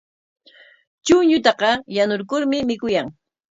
Chuñutaqa yanurkurmi mikuyan.